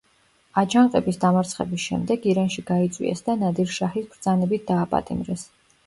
აჯანყების დამარცხების შემდეგ ირანში გაიწვიეს და ნადირ-შაჰის ბრძანებით დააპატიმრეს.